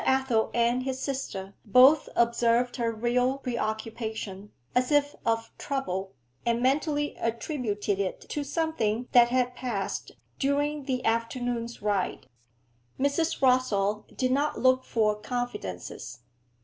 Athel and his sister both observed her real preoccupation, as if of trouble, and mentally attributed it to something that had passed during the afternoon's ride. Mrs. Rossall did not look for confidences.